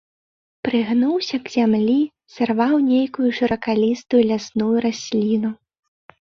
Прыгнуўся к зямлі, сарваў нейкую шыракалістую лясную расліну.